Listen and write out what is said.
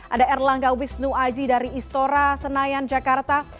ada erlangga wisnu aji dari istora senayan jakarta